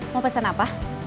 mau pesan apa